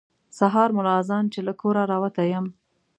سهار ملا اذان چې له کوره راوتی یم.